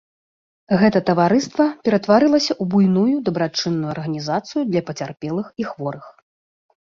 Гэта таварыства ператварылася ў буйную дабрачынную арганізацыю для пацярпелых і хворых.